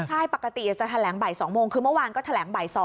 ใช่ปกติจะแถลงบ่าย๒โมงคือเมื่อวานก็แถลงบ่าย๒